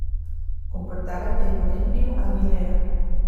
Con portada de Florencio Aguilera.